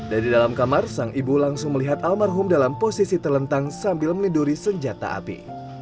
dari dalam kamar sang ibu langsung melihat almarhum dalam posisi terlentang sambil meniduri senjata api